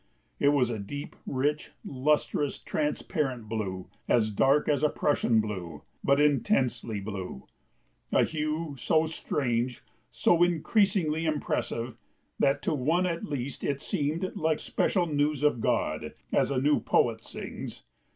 It was a deep, rich, lustrous, transparent blue, as dark as a Prussian blue, but intensely blue; a hue so strange, so increasingly impressive, that to one at least it "seemed like special news of God," as a new poet sings.